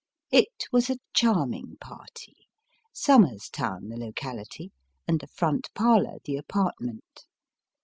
It was a charming party ; Somers Town the locality, and a front parlour the apartment.